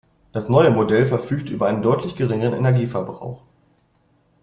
Das neue Modell verfügt über einen deutlich geringeren Energieverbrauch.